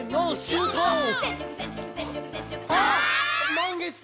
「満月だ！」